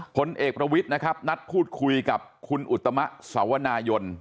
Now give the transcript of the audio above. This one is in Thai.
ผลเอกประวิทย์นะครับนัดพูดคุยกับคุณอุตมะสวนายน